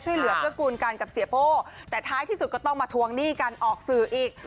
เหลือเพื่อกูลกันกับเสียโป้แต่ท้ายที่สุดก็ต้องมาทวงหนี้กันออกสื่ออีก